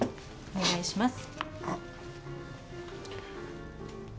お願いします。